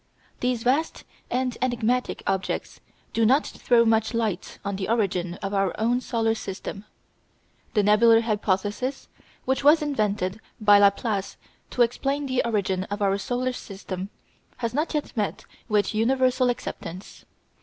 These vast and enigmatic objects do not throw much light on the origin of our own solar system. The nebular hypothesis, which was invented by Laplace to explain the origin of our solar system, has not yet met with universal acceptance.